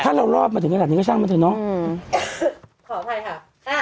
ถ้าเรารอบมาถึงขนาดนี้ก็ช่างมันเลยเนาะ